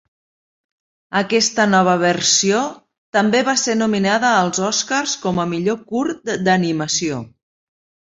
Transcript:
Aquesta nova versió també va ser nominada als Oscars com a Millor curt d'animació.